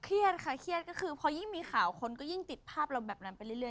ค่ะเครียดก็คือพอยิ่งมีข่าวคนก็ยิ่งติดภาพเราแบบนั้นไปเรื่อย